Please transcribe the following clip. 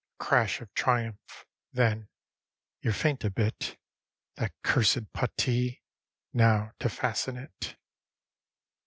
A crash of triumph, then ... you're faint a bit ... That cursed puttee! Now to fasten it.